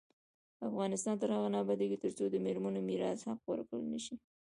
افغانستان تر هغو نه ابادیږي، ترڅو د میرمنو میراث حق ورکړل نشي.